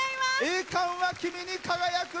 「栄冠は君に輝く」！